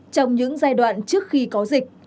trong những giai đoạn trước khi có dịch